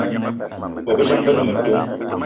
Bôbejang be ne metom